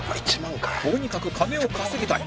とにかく金を稼ぎたい！